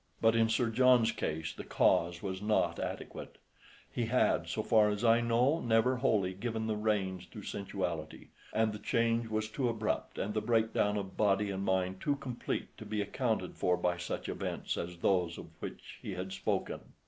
But in Sir John's case the cause was not adequate; he had, so far as I know, never wholly given the reins to sensuality, and the change was too abrupt and the breakdown of body and mind too complete to be accounted for by such events as those of which he had spoken.